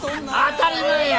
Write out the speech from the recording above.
当たり前や！